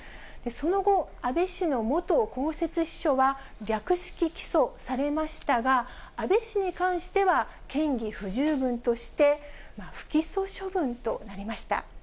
その後、安倍氏の元公設秘書は、略式起訴されましたが、安倍氏に関しては嫌疑不十分として、不起訴処分となりました。